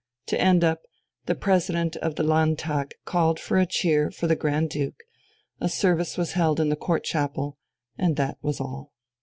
To end up, the President of the Landtag called for a cheer for the Grand Duke, a service was held in the Court Chapel, and that was all.